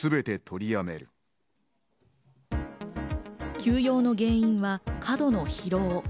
休養の原因は過度の疲労。